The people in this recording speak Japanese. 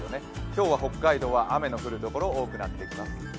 今日は北海道は雨の降るところ多くなってきます。